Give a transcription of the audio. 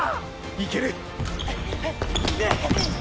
いける！